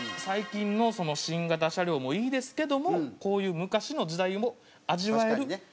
最近の新型車両もいいですけどもこういう昔の時代を味わえる。